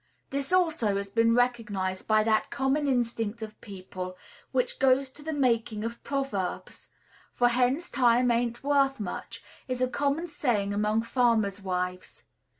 This also has been recognized by that common instinct of people which goes to the making of proverbs; for "Hen's time ain't worth much" is a common saying among farmers' wives.